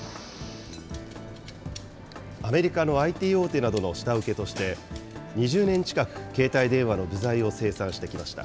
アメリカのＩＴ大手などの下請けとして、２０年近く、携帯電話の部材を生産してきました。